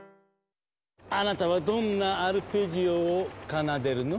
あなたはどんなアルペジオを奏でるの？